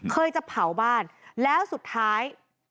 จะเผาบ้านแล้วสุดท้าย